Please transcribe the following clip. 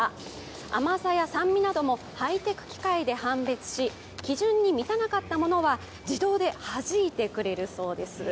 甘さや酸味などもハイテク機械で判別し基準に満たなかったものは、自動で、はじいてくれるそうです。